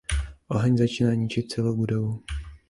Oheň začíná ničit celou budovu.